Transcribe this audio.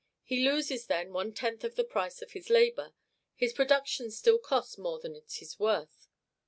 He loses, then, one tenth of the price of his labor; his production still costs more than it is worth.